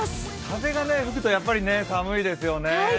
風が吹くとやっぱり寒いですよね。